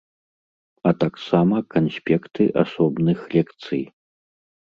А таксама канспекты асобных лекцый.